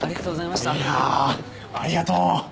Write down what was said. いやありがとう。